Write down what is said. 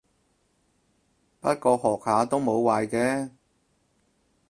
不過學下都冇壞嘅